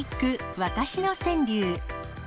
わたしの川柳。